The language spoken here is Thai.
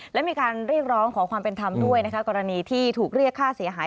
และมีการเรียกร้องขอความเป็นธรรมด้วยนะคะกรณีที่ถูกเรียกค่าเสียหาย